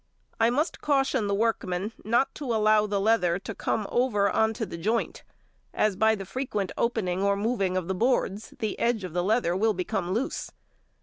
I must caution the workman not to allow the leather to come over on to the joint, as by the frequent opening or moving of the boards the edge of the leather will become loose.